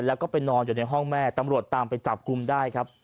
แล้วก็ไปนอนอยู่ในห้องแม่ตำรวจตามไปจับกลุ่มได้ครับ